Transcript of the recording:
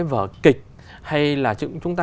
vở kịch hay là chúng ta